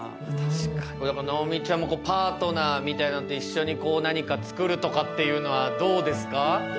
やっぱり直美ちゃんも、パートナーみたいなのと一緒に、何か作るとかっていうのは、どうですか？